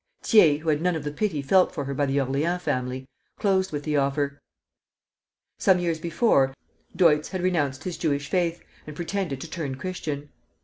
Thiers, who had none of the pity felt for her by the Orleans family, closed with the offer. Some years before, Deutz had renounced his Jewish faith and pretended to turn Christian.